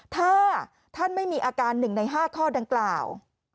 ถ้าท่านไม่มีอาการ๑ใน๕ข้อดังกล่าว